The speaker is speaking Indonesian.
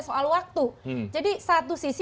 soal waktu jadi satu sisi